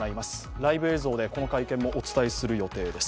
ライブ映像でこの会見もお伝えする予定です。